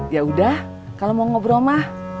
yaudah kalau mau ngobrol mah